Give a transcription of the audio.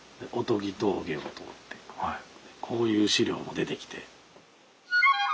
こういう資料も出てきて。